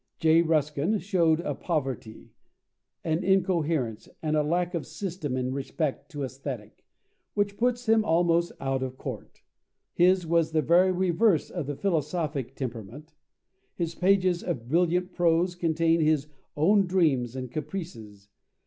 J. Ruskin showed a poverty, an incoherence, and a lack of system in respect to Aesthetic, which puts him almost out of court. His was the very reverse of the philosophic temperament. His pages of brilliant prose contain his own dreams and caprices.